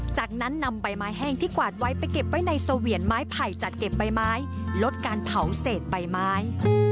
จากนั้นนำใบไม้แห้งที่กวาดไว้ไปเก็บไว้ในเสวียนไม้ไผ่จัดเก็บใบไม้ลดการเผาเศษใบไม้